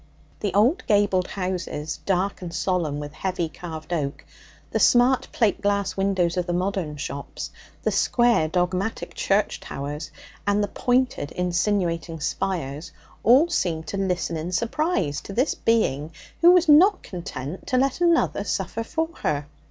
The old gabled houses, dark and solemn with heavy carved oak, the smart plate glass windows of the modern shops, the square dogmatic church towers and the pointed insinuating spires all seemed to listen in surprise to this being who was not content to let another suffer for her.